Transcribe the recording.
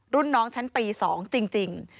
รุ่นน้องชั้นปี๒จริง